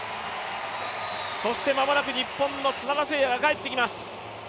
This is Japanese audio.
そして間もなく日本の砂田晟弥が帰ってきます。